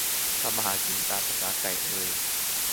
ทำมาหากิน ตามประสาไก่เอย